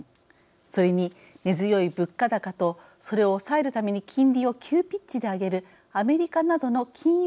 それに根強い物価高とそれを抑えるために金利を急ピッチで上げるアメリカなどの金融